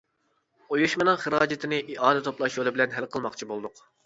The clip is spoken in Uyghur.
ئۇيۇشمىنىڭ خىراجىتىنى ئىئانە توپلاش يولى بىلەن ھەل قىلماقچى بولدۇق.